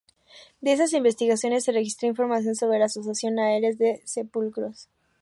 De esas investigaciones se registró información sobre la asociación de áreas de sepulcros.